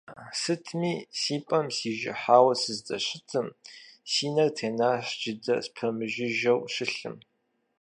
Сытми, си пӀэм сижыхьауэ сыздэщытым, си нэр тенащ джыдэ спэмыжыжьэу щылъым.